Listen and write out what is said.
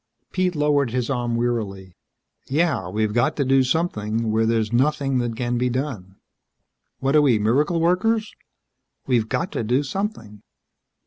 Pete lowered his arm wearily. "Yeah we've got to do something. Where there's nothing that can be done. What are we miracle workers?" "We've got to do something."